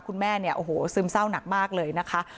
คุณแม่ซึมเศร้าหนักมากเลยนะคะ